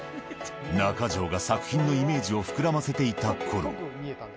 中城が作品のイメージを膨らませていたころ。